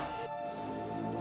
ya ma aku ngerti